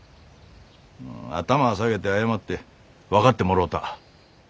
頭下げて謝って分かってもろうた。